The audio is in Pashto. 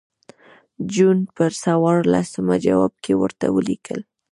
جون پر څوارلسمه جواب کې ورته ولیکل.